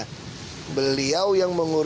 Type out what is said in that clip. nah beliau yang mengurusnya